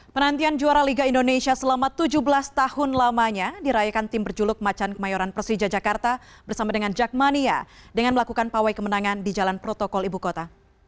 penantian juara liga indonesia selama tujuh belas tahun lamanya dirayakan tim berjuluk macan kemayoran persija jakarta bersama dengan jakmania dengan melakukan pawai kemenangan di jalan protokol ibu kota